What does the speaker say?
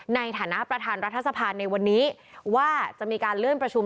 ในฐานะประธานรัฐสภาในวันนี้ว่าจะมีการเลื่อนประชุม